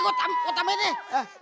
gue tambahin nih